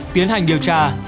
tiến hành điều tra